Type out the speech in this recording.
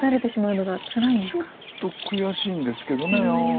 ちょっと悔しいんですけど。